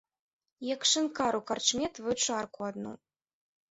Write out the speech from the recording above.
Як шынкар у карчме тваю чарку адну.